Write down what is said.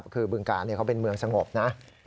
คือบึงกาลเขาเป็นเมืองสงบนะ